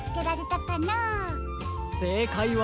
せいかいは。